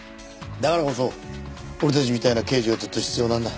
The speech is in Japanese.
だからこそ俺たちみたいな刑事がずっと必要なんだ。